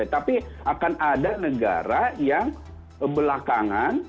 tapi akan ada negara yang belakangan